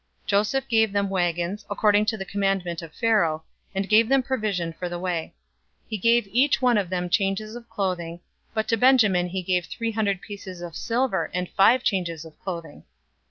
Joseph gave them wagons, according to the commandment of Pharaoh, and gave them provision for the way. 045:022 He gave each one of them changes of clothing, but to Benjamin he gave three hundred pieces of silver and five changes of clothing.